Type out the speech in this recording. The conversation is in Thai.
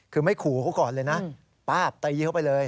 คือไม่ขู่เขาก่อนเลยนะป้าบตีเข้าไปเลย